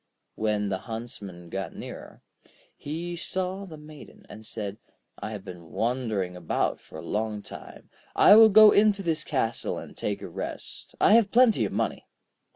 When the Huntsman got nearer, he saw the Maiden, and said: 'I have been wandering about for a long time, I will go into this castle and take a rest. I have plenty of money.'